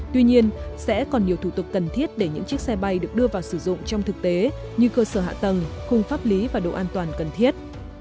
tuy nhiên sẽ còn nhiều thủ tục cần thiết để những chiếc xe bay được đưa vào sử dụng trong thực tế như cơ sở hạ tầng khung pháp lý và độ an toàn cần thiết